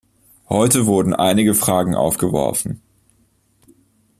Heute wurden einige Fragen aufgeworfen.